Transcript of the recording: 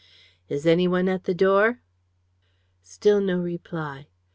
"Is any one at the door?" Still no reply.